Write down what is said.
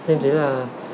em thấy là